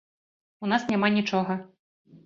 У нас няма нічога.